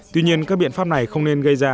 tuy nhiên các biện pháp này không nên gây ra